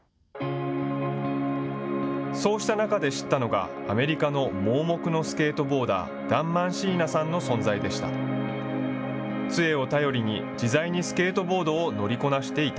そうした中で知ったのが、アメリカの盲目のスケートボーダー、ダン・マンシーナさんの存在でした。